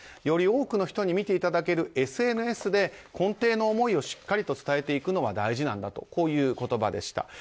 より多くの人に見ていただけるＳＮＳで根柢の思いをしっかり伝えていくのが大事なんだという言葉でした。